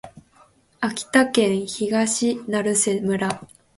秋田県東成瀬村